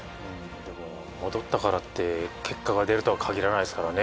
でも戻ったからって結果が出るとは限らないですからね。